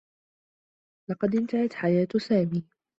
لقد انتهت حياة سامي.